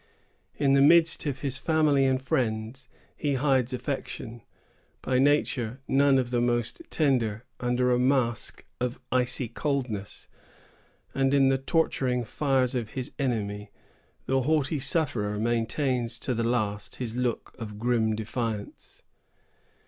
In the midst of his family and friends, he hides affections, by nature none of the most tender, under a mask of icy coldness; and in the torturing fires of his enemy, the haughty sufferer maintains to the last his look of grim defiance.